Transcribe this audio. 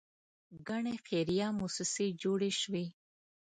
ګڼې خیریه موسسې جوړې شوې.